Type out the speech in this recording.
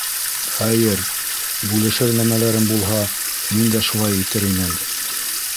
Хәйер, бүлешер нәмәләрем булһа, мин дә шулай итер инем.